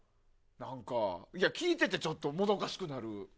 聞いててちょっともどかしくなる。